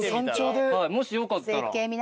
もしよかったら。